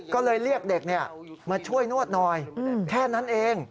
ก็เลยเรียกเด็กมาช่วยนวดหน่อยแค่นั้นเอง